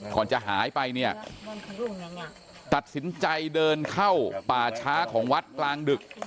ก่อนจะหายไปเนี่ยตัดสินใจเดินเข้าป่าช้าของวัดกลางดึก